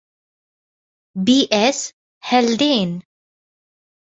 B. S. Haldane.